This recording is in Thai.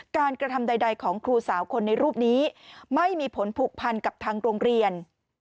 กระทำใดของครูสาวคนในรูปนี้ไม่มีผลผูกพันกับทางโรงเรียน